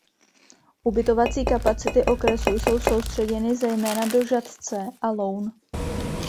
Ubytovací kapacity okresu jsou soustředěny zejména do Žatce a Loun.